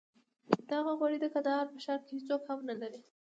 دغه غوړي د کندهار په ښار کې هېڅوک هم نه لري.